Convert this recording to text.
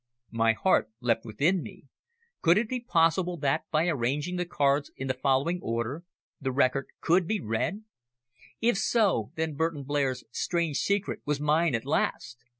My heart leapt within me. Could it be possible that by arranging the cards in the following order the record could be read? If so, then Burton Blair's strange secret was mine at last!